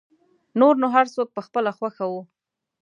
نور نو هر څوک په خپله خوښه و.